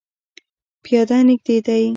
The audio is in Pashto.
پیاده نږدې دی